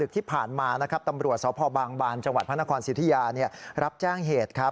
ตำรวจสาวพ่อบางบานจังหวัดพระนครสิทธิยารับแจ้งเหตุ